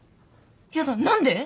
やだ何で？